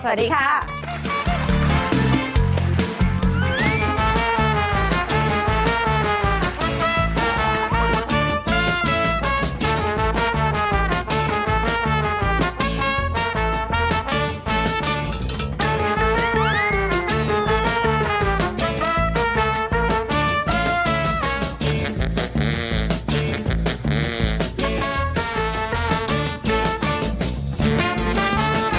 สวัสดีครับ